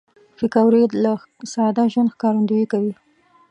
پکورې له ساده ژوند ښکارندويي کوي